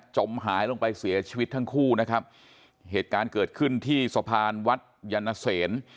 หายลงไปเสียชีวิตทั้งคู่นะครับเหตุการณ์เกิดขึ้นที่สะพานวัดยันเสน